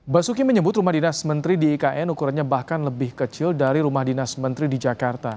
basuki menyebut rumah dinas menteri di ikn ukurannya bahkan lebih kecil dari rumah dinas menteri di jakarta